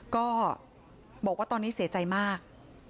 ก็บอกว่าตอนนี้เสียใจมาก